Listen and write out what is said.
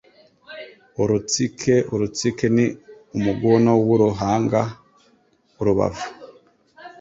Urutsike : urutsike ni umuguno w'uruhanga Urubavu